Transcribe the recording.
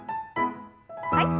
はい。